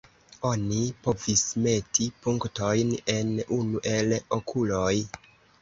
Oni povis meti punktojn en unu el "okuloj".